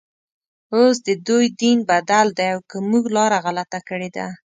اوس ددوی دین بدل دی او که موږ لاره غلطه کړې ده.